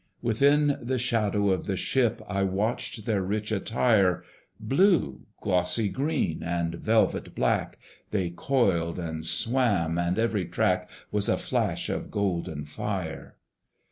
Within the shadow of the ship I watched their rich attire: Blue, glossy green, and velvet black, They coiled and swam; and every track Was a flash of golden fire.